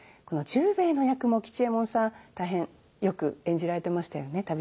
この十兵衛の役も吉右衛門さん大変よく演じられてましたよね